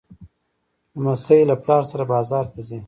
لمسی له پلار سره بازار ته ځي.